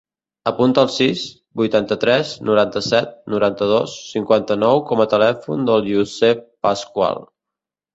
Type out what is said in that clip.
Apunta el sis, vuitanta-tres, noranta-set, noranta-dos, cinquanta-nou com a telèfon del Youssef Pascual.